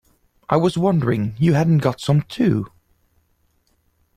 I was wondering you hadn’t got some too.